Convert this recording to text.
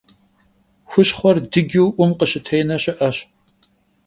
Хущхъуэр дыджу Ӏум къыщытенэ щыӏэщ.